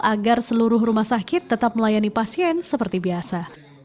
agar seluruh rumah sakit tetap melayani pasien seperti biasa